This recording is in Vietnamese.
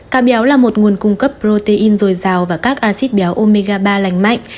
cá béo là một nguồn cung cấp protein dồi dào và các acid béo omega ba lành mạnh